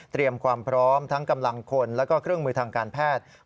ความพร้อมทั้งกำลังคนแล้วก็เครื่องมือทางการแพทย์